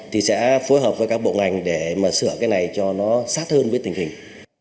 thì sẽ phối hợp với các bộ ngành để mà sửa cái này cho nó sát hơn với tình hình